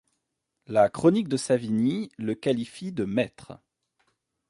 La chronique de Savigny le qualifie de maître.